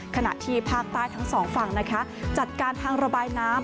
ขณะที่ภาคใต้ทั้งสองฝั่งนะคะจัดการทางระบายน้ำ